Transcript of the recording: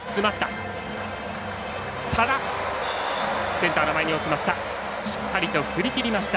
センターの前に落ちました。